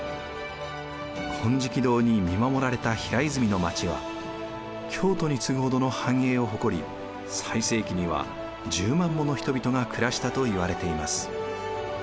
金色堂に見守られた平泉の町は京都に次ぐほどの繁栄を誇り最盛期には１０万もの人々が暮らしたといわれています。